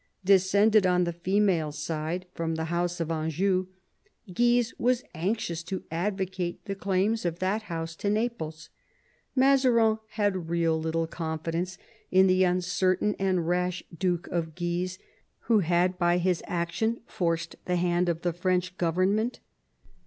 Descended on the female side from the house of Anjou, Guise was anxious to advocate the claims of that house to Naples. Mazarin had little real confidence in the uncertain and rash Duke of Guise, who had by his action forced the hand of the French government.